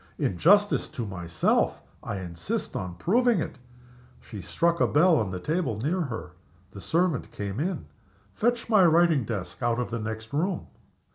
"In justice to myself, I insist on proving it!" She struck a bell on a table near her. The servant came in. "Fetch my writing desk out of the next room."